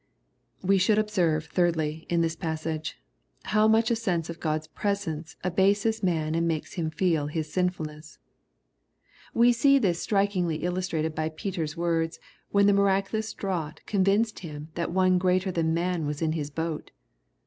We shoald observe, thirdly, in this passage, how much a sense of GocCs presence abases man and makes him feel his sinfulness. We see this strikingly illustrated by Peter's words, when the miraculous draught con vinced him that One greater than man was in his boat.